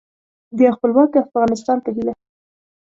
د یو خپلواک افغانستان په هیله